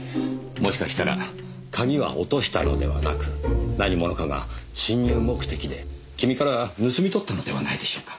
もしかしたら鍵は落としたのではなく何者かが侵入目的でキミから盗み取ったのではないでしょうか。